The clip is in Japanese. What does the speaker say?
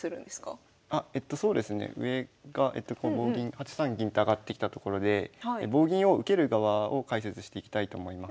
そうですね上が棒銀８三銀って上がってきたところで棒銀を受ける側を解説していきたいと思います。